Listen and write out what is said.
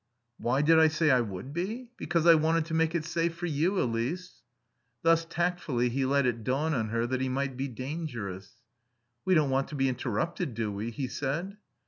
"Why did I say I would be? Because I wanted to make it safe for you, Elise." Thus tactfully he let it dawn on her that he might be dangerous. "We don't want to be interrupted, do we?" he said.